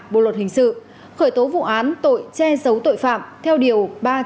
bộ luật hình sự khởi tố vụ án tội che giấu tội phạm theo điều ba trăm chín mươi tám